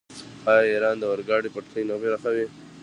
آیا ایران د اورګاډي پټلۍ نه پراخوي؟